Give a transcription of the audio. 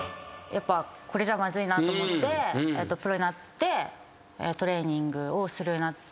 これじゃまずいなと思ってプロになってトレーニングをするようになって。